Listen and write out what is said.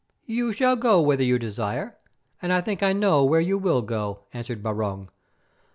"You shall go whither you desire, and I think I know where you will go," answered Barung.